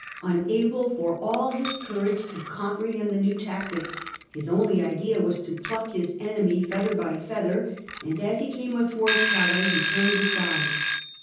Unable for all his courage to comprehend the new tactics, his only idea was to pluck his enemy feather by feather, and as he came athwart Calais he turned aside.